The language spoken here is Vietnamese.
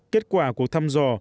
kết quả cuộc thăm dò